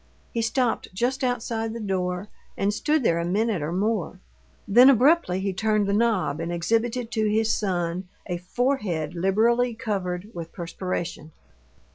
He stopped just outside the door, and stood there a minute or more. Then abruptly he turned the knob and exhibited to his son a forehead liberally covered with perspiration.